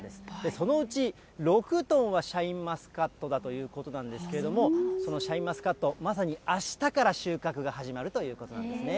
そのうち６トンは、シャインマスカットだということなんですけれども、そのシャインマスカット、まさに、あしたから収穫が始まるということなんですね。